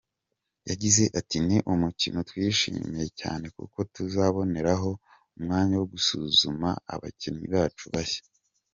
Yagize ati “Ni umukino twishimiye cyane kuko tuzaboneraho umwanya wo gusuzuma abakinnyi bacu bashya.